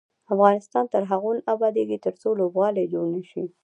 افغانستان تر هغو نه ابادیږي، ترڅو لوبغالي جوړ نشي.